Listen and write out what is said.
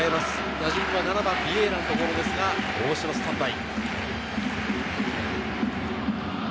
打順は７番・ビエイラのところですが、大城がスタンバイ。